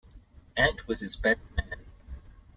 Ant was his best man.